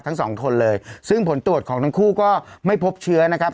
ทั้งสองคนเลยซึ่งผลตรวจของทั้งคู่ก็ไม่พบเชื้อนะครับ